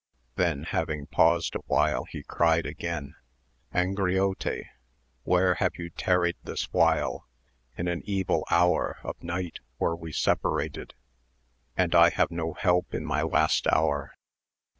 Then having paused awhile he cried again, Angriote, where have you tarried this while, in an evil hour of night were we separated ! and I have no help in my last hour.